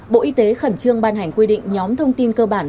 bộ y tế khẩn trương ban hành quy định nhóm thông tin cơ bản